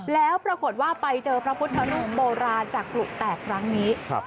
แล้วปรากฏว่าไปเจอพระพุทธรูปโบราณจากกลุแตกครั้งนี้